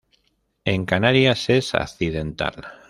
En Canarias es accidental.